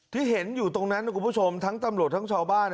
ที่เห็นอยู่ตรงนั้นนะคุณผู้ชมทั้งตำรวจทั้งชาวบ้าน